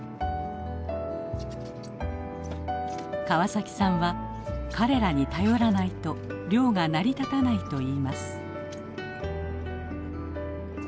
川崎さんは彼らに頼らないと漁が成り立たないと言います。